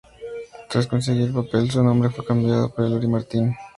Tras conseguir el papel, su nombre fue cambiado por el de Lori Martin.